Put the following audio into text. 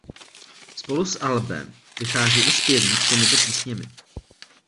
Spolu s albem vychází i zpěvník s těmito písněmi.